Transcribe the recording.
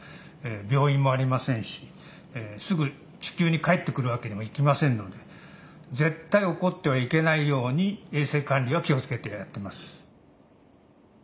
病院もありませんしすぐ地球に帰ってくるわけにもいきませんので絶対おこってはいけないように衛生管理は気を付けてやってます。